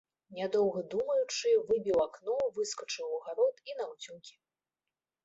Нядоўга думаючы, выбіў акно, выскачыў у агарод і наўцёкі.